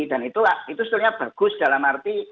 dan itu setelahnya bagus dalam arti